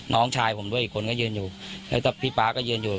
น้องชายผมด้วยอีกคนก็ยืนอยู่แล้วพี่ป๊าก็ยืนอยู่